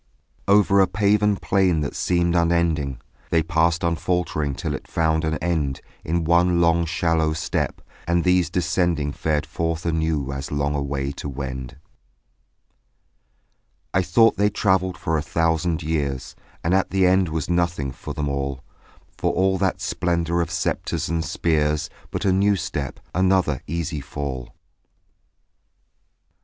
Over a paven plain that seemed unending They passed unfaltering till it found an end In one long shallow step; and these descending Fared forth anew as long away to wend. I thought they travelled for a thousand years; And at the end was nothing for them all, For all that splendour of sceptres and of spears, But a new step, another easy fall.